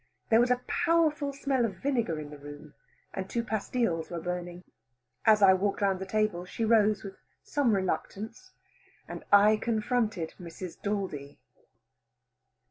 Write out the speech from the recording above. There was a powerful smell of vinegar in the room, and two pastiles were burning. As I walked round the table she rose with some reluctance, and I confronted Mrs. Daldy.